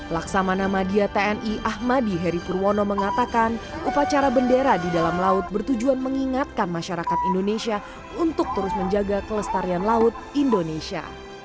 laksamana madia tni ahmadi heri purwono mengatakan upacara bendera di dalam laut bertujuan mengingatkan masyarakat indonesia untuk terus menjaga kelestarian laut indonesia